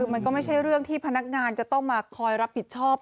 มันก็ไม่ใช่เรื่องที่พนักงานจะต้องมาคอยรับผิดชอบ